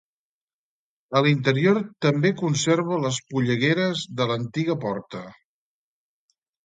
A l'interior també conserva les pollegueres de l'antiga porta.